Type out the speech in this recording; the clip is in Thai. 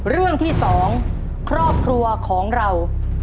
เรื่องที่๒ครอบครัวของเรา